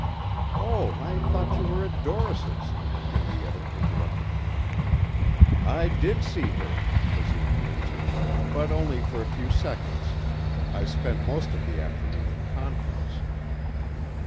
"Oh, I thought you were at Doris'," Henrietta interrupted. "I did see her," Basine answered, "but only for a few seconds. I spent most of the afternoon in conference."